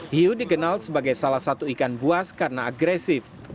hiu dikenal sebagai salah satu ikan buas karena agresif